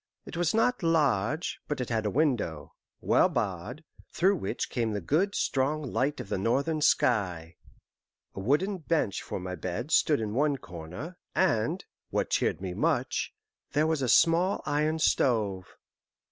It was not large, but it had a window, well barred, through which came the good strong light of the northern sky. A wooden bench for my bed stood in one corner, and, what cheered me much, there was a small iron stove.